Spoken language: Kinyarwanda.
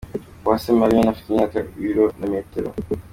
Uwase Mallion afite imyaka , ibiro na metero .